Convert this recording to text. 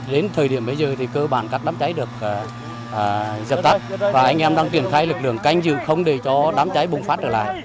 đến thời điểm bây giờ thì cơ bản các đám cháy được dập tắt và anh em đang triển khai lực lượng canh dự không để cho đám cháy bùng phát trở lại